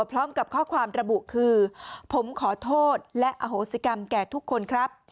พร้อมกับข้อความระบุคือผมขอโทษและอโหสิกรรมแก่ทุกคนครับ